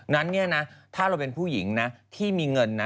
นั้นถ้าเราเป็นผู้หญิงที่มีเงิน